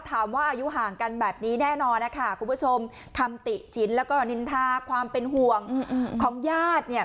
อายุห่างกันแบบนี้แน่นอนนะคะคุณผู้ชมคำติฉินแล้วก็นินทาความเป็นห่วงของญาติเนี่ย